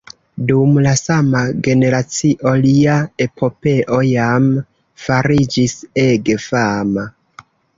Dum la sama generacio lia epopeo jam fariĝis ege fama.